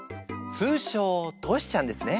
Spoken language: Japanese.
通称トシちゃんですね。